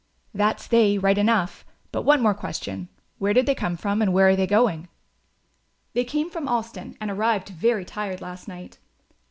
"That's they, right enough; but one more question Where did they come from and where are they going?" "They came from Alston and arrived very tired last night."